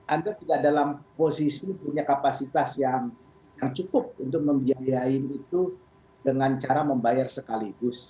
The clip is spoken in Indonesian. anda tidak dalam posisi punya kapasitas yang cukup untuk membiayain itu dengan cara membayar sekaligus